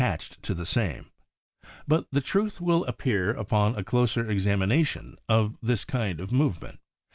tached to the same, but the truth will ap pear upon a closer examination of this kind of movement.